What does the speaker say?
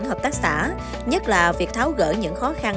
hợp tác xã nhất là việc tháo gỡ những khó khăn